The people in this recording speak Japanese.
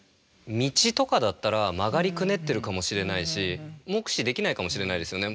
道とかだったら曲がりくねってるかもしれないし目視できないかもしれないですよね。